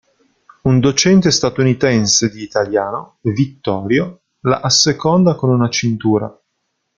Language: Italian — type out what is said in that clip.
Un docente statunitense di italiano, Vittorio, la asseconda con una cintura.